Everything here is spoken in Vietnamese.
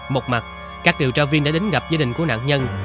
một mặt các điều tra viên đã đến gặp gia đình của nạn nhân